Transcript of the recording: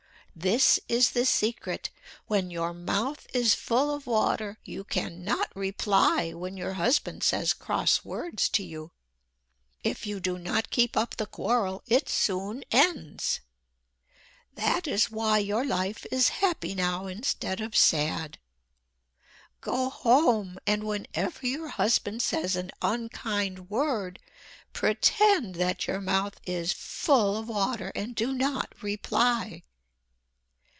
This is the secret: When your mouth is full of water you cannot reply when your husband says cross words to you. If you do not keep up the quarrel it soon ends. That is why your life is happy now instead of sad. Go home, and whenever your husband says an unkind word pretend that your mouth is full of water and do not reply.